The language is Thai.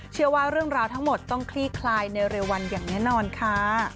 เชื่อว่าเรื่องราวทั้งหมดต้องคลี่คลายในเร็ววันอย่างแน่นอนค่ะ